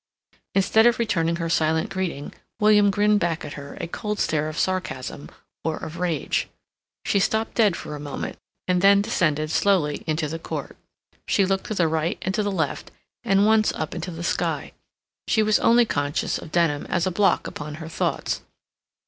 Instead of returning her silent greeting, William grinned back at her a cold stare of sarcasm or of rage. She stopped dead for a moment, and then descended slowly into the court. She looked to the right and to the left, and once up into the sky. She was only conscious of Denham as a block upon her thoughts.